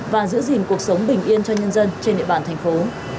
và giữ gìn cuộc sống bình yên cho nhân dân trên địa bàn thành phố